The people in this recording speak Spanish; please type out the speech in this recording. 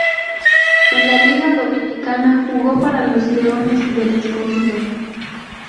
En la Liga Dominicana jugó para los Leones del Escogido.